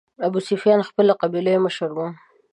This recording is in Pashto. ابوسفیان خپلې قبیلې مشر و.